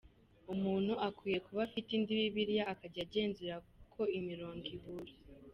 Umuntu akwiye kuba afite indi Bibiliya akajya agenzura ko imirongo ihura